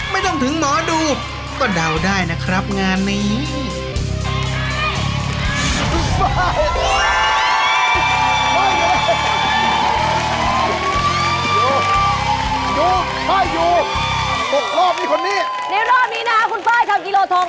ยังยังยัง